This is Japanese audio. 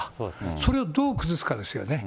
それをどう崩すかですよね。